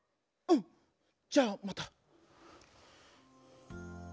うんじゃあまた。